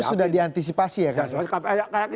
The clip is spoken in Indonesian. itu sudah diantisipasi ya kan